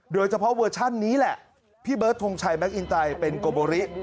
โดยเฉพาะเวอร์ชันนี้แหละพี่เบิร์ดทงชัยแก๊อินไตเป็นโกโบริ